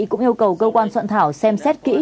cũng yêu cầu cơ quan soạn thảo xem xét kỹ